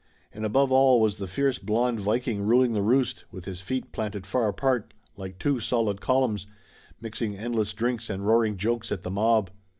And above all was the fierce blond viking ruling the roost, with his feet planted far apart like two solid columns, mixing endless drinks and roaring jokes at the mob.